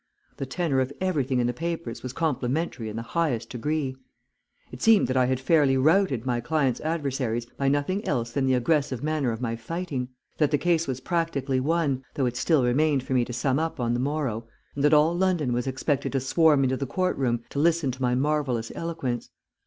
The tenour of everything in the papers was complimentary in the highest degree. It seemed that I had fairly routed my client's adversaries by nothing else than the aggressive manner of my fighting; that the case was practically won, though it still remained for me to sum up on the morrow, and that all London was expected to swarm into the court room to listen to my marvellous eloquence.